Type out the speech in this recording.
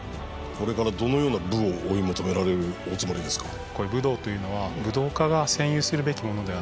これからどのような武を追い求められるおつもりですか？